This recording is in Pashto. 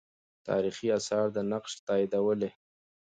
تاریخي آثار دا نقش تاییدولې.